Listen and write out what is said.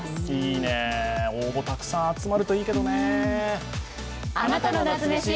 いいね、応募たくさん集まるといいけどね。